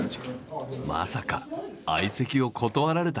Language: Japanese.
まさか相席を断られた。